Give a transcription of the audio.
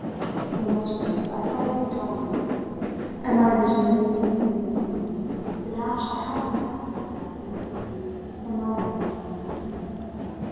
So much, at least, I saw Lady John as seeing, and my vision may be taken as representing the dash I have confessed myself as making from my end of our field.